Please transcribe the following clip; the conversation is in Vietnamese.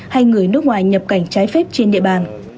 hay người nước ngoài nhập cảnh trái phép trên địa bàn